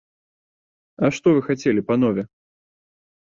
А што вы хацелі, панове?